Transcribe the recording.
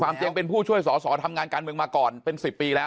จริงเป็นผู้ช่วยสอสอทำงานการเมืองมาก่อนเป็น๑๐ปีแล้ว